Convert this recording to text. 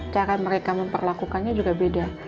cara mereka memperlakukannya juga beda